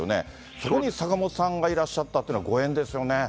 そこに坂本さんがいらっしゃったってのはご縁ですよね。